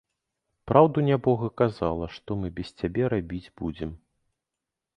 Праўду нябога казала, што мы без цябе рабіць будзем.